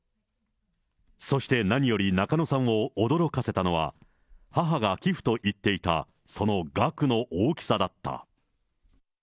そして何より中野さんを驚かせたのは、母が寄付と言っていたその額の大きさだった。